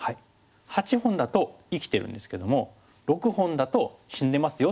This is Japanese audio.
８本だと生きてるんですけども６本だと死んでますよっていう格言なんです。